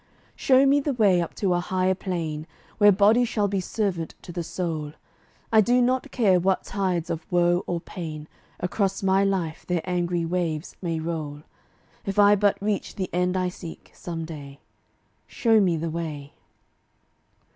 Show me the way up to a higher plane, Where body shall be servant to the soul. I do not care what tides of woe or pain Across my life their angry waves may roll, If I but reach the end I seek, some day: Show me the way.